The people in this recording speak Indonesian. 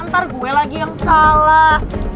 ntar gue lagi yang salah